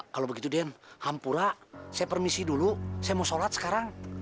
kalau begitu dia hampura saya permisi dulu saya mau sholat sekarang